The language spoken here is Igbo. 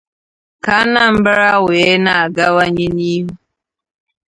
ka Anambra wee na-agawanye n'ihu